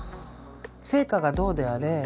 成果がどうであれ